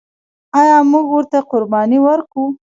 آیا موږ ورته قرباني ورکوو؟